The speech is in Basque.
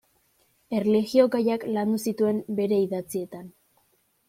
Erlijio-gaiak landu zituen bere idatzietan.